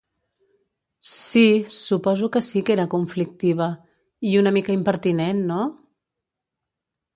Sí… Suposo que sí que era conflictiva, i una mica impertinent, no?